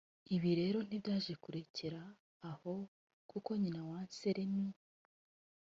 Ibi rero ntibyaje kurekera aho kuko nyina wa Anselm